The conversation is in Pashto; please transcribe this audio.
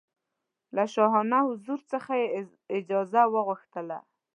له شاهانه حضور څخه یې اجازه وغوښتله.